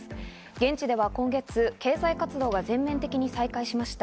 現地では今月、経済活動が全面的に再開しました。